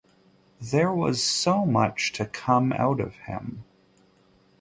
There was so much to come out of him.